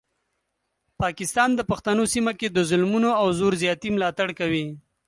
پاکستان د پښتنو سیمه کې د ظلمونو او زور زیاتي ملاتړ کوي.